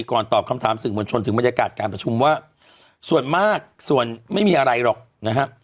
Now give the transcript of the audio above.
ตอบคำถามสื่อมวลชนถึงบรรยากาศการประชุมว่าส่วนมากส่วนไม่มีอะไรหรอกนะฮะ